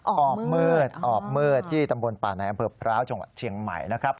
ออบเมือดออบเมือดที่ตำบลป่านายอำเภอพร้าวจงเชียงใหม่นะครับ